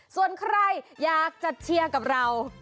ส่วนใครอยากจะเชียร์กับเรา